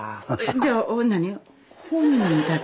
じゃあ何？